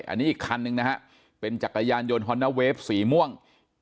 อันนี้อีกคันนึงนะฮะเป็นจักรยานยนต์ฮอนด้าเวฟสีม่วง